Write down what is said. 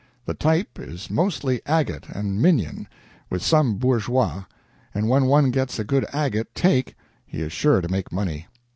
... The type is mostly agate and minion, with some bourgeois, and when one gets a good agate 'take,' he is sure to make money.